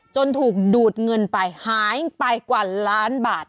ถูกดูดเงินไปหายไปกว่าล้านบาท